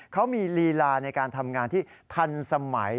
เขามีลีลาในการทำงานที่ทันสมัย